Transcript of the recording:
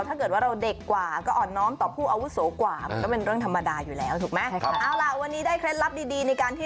แล้วก็ไม่แข็งกล้าวจนเกินไป